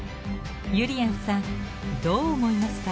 ゆりやんさんどう思いますか？